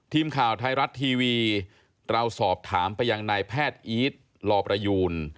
ทีมข่าวไทยรัฐทีวีเราสอบถามไปยังนายแพทย์อีทลอประยูน